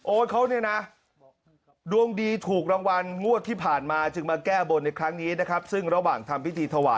โอ๊ยเขาเนี่ยนะ